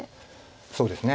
そうですね。